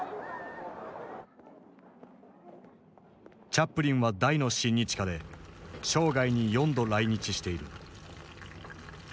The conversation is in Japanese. チャップリンは大の親日家で生涯に４度来日している。